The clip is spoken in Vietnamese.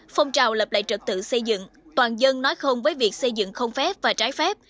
phong trào lập lại trật tự xây dựng toàn dân nói không với việc xây dựng không phép và trái phép